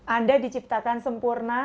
anda diciptakan sempurna